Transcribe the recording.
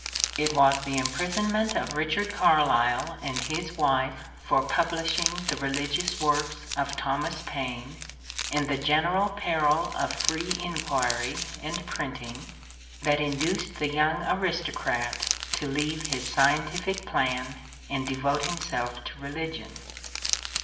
It was the imprisonment of Richard Carlisle and his wife for publishing the religious works of Thomas Paine, and the general peril of free inquiry and printing, that induced the young aristocrat to leave his scien tific plan and devote himself to religion.